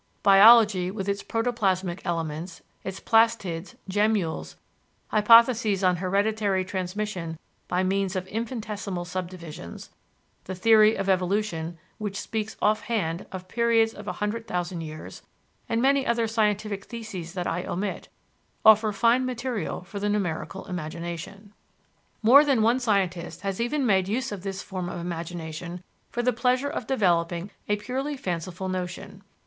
" Biology, with its protoplasmic elements, its plastids, gemmules, hypotheses on hereditary transmission by means of infinitesimal subdivisions; the theory of evolution, which speaks off hand of periods of a hundred thousand years; and many other scientific theses that I omit, offer fine material for the numerical imagination. More than one scientist has even made use of this form of imagination for the pleasure of developing a purely fanciful notion.